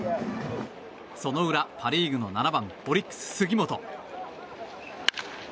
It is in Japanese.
その裏、パ・リーグの７番オリックス、杉本。